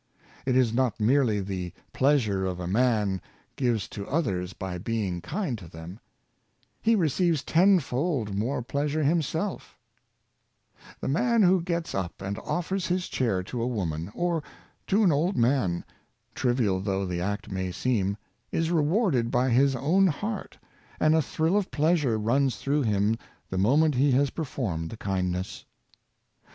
It is not merely the pleasure a man gives to others by being kind to them : he receives tenfold more pleasure himself The man who gets up and offers his chair to a woman, or to an old man — trivial though the act may seem — is rewarded by his own heart, and a thrill of pleasure runs through him the moment he has performed the kindness.